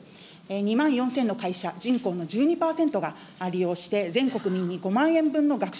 ２万４０００の会社、人口の１２％が利用して、全国民に５万円分の学習